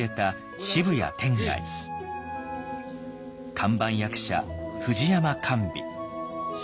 看板役者藤山寛美。